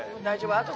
大丈夫。